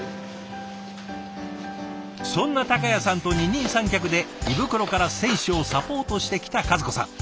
そんな孝也さんと二人三脚で胃袋から選手をサポートしてきた和子さん。